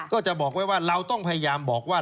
ก็จะบอกไว้ว่าเราต้องพยายามบอกว่า